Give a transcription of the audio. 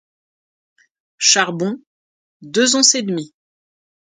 Charbon… …………………… deux onces et demie.